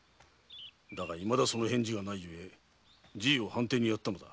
だが未だその返事がないゆえじいを藩邸にやったのだ。